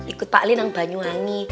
ikut pak lek di banyuwangi